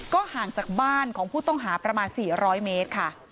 ห่างจากบ้านของผู้ต้องหาประมาณ๔๐๐เมตรค่ะ